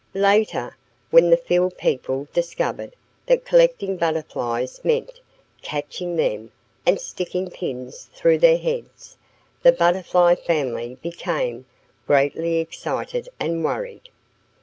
Later, when the field people discovered that collecting Butterflies meant catching them and sticking pins through their heads, the Butterfly family became greatly excited and worried.